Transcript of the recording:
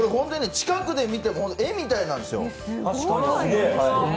近くで見ても絵みたいなんですよ。